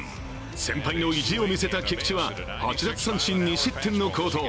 先輩の意地を見せた菊池は８奪三振２失点の好投。